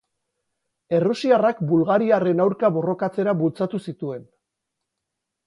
Errusiarrak bulgariarren aurka borrokatzera bultzatu zituen.